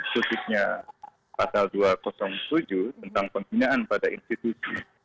khususnya pasal dua ratus tujuh tentang pembinaan pada institusi